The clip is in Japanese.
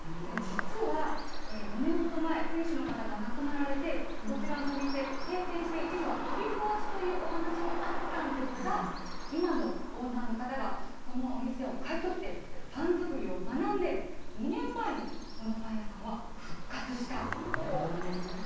実は５年ほど前、店主の方が亡くなられて、こちらのお店、閉店して、一時は取り壊しというお話もあったんですが、今のオーナーの方がこのお店を買い取って、パン作りを学んで、２年前にこのパン屋さんは復活したということなんです。